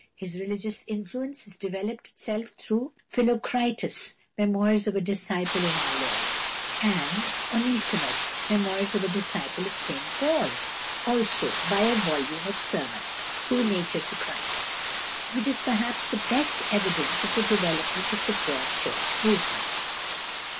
His religious influence has developed itself through "Philochristus; Memoirs of a Disciple of our Lord," and "Onesimus; Memoirs of a Disciple of St Paul," also by a volume of sermons, "Through Nature to Christ," which is perhaps the best evidence of the development of the Broad Church movement.